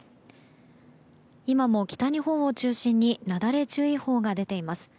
今も北日本を中心になだれ注意報が出ています。